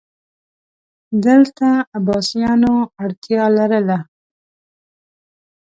دلته عباسیانو اړتیا لرله